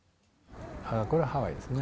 これはハワイですね。